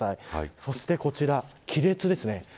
そしてこちら、亀裂ですね。。